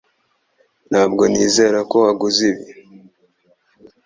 Ntabwo nizera ko waguze ibi